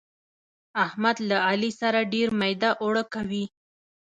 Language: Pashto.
احمد له علي سره ډېر ميده اوړه کوي.